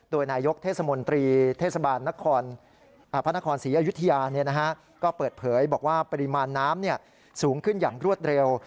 โดยนายกเทศมนตรีเทศบาลพระนครศรีอยุธยาก็เปิดเผยบอกว่าปริมาณน้ำสูงขึ้นอย่างรวดเร็ว